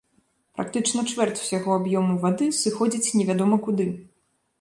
Практычна чвэрць усяго аб'ёму вады сыходзіць невядома куды.